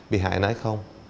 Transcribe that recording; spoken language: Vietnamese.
bi hại nói không